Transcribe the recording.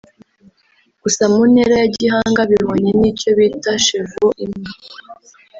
gusa mu ntera ya gihanga bihwanye n'icyo bita chevau imwe